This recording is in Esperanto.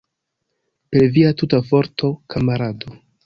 Per via tuta forto, kamarado!